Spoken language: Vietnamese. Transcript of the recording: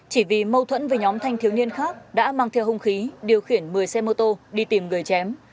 chỉ vì mâu thuẫn với nhóm thanh thiếu niên khác đã mang theo hung khí điều khiển một mươi xe mô tô đi tìm người chém